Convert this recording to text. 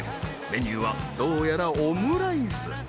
メニューはどうやらオムライス。